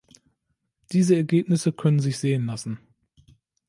Diese Ergebnisse können sich sehen lassen.